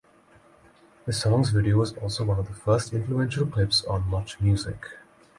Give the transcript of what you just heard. The song's video was also one of the first influential clips on MuchMusic.